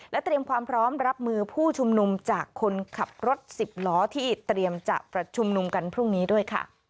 เตรียมความพร้อมรับมือผู้ชุมนุมจากคนขับรถสิบล้อที่เตรียมจะประชุมกันพรุ่งนี้ด้วยค่ะ